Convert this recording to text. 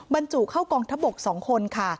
บรรจุเข้ากองทบก๒คนค่ะ